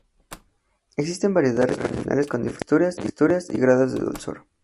Existen variedades regionales, con diferentes texturas y grados de dulzor.